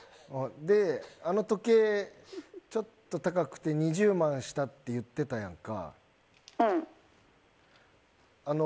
あの時計、ちょっと高くて２０万円したって言ってたやんか。